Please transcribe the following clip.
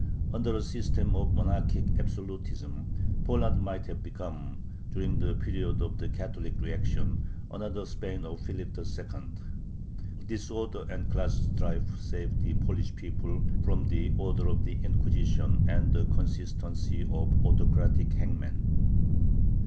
Under a system of monarchic absolutism, Poland might have become, during the period of the Catholic reaction, another Spain of Philip II. Disorder and class strife saved the Polish people from the "order" of the Inquisition and the consistency of autocratic hangmen.